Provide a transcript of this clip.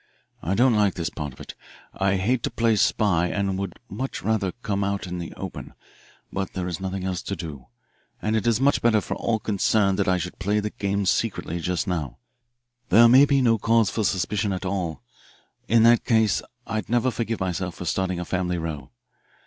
I don't like this part of it I hate to play spy and would much rather come out in the open, but there is nothing else to do, and it is much better for all concerned that I should play the game secretly just now. There may be no cause for suspicion at all. In that case I'd never forgive myself for starting a family row.